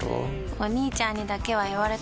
お兄ちゃんにだけは言われたくないし。